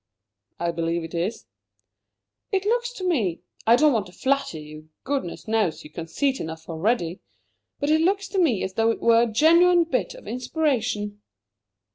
"I believe it is." "It looks to me I don't want to flatter you; goodness knows you've conceit enough already! but it looks to me as though it were a genuine bit of inspiration."